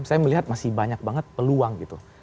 saya melihat masih banyak banget peluang gitu